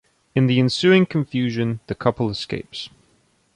In the ensuing confusion, the couple escapes.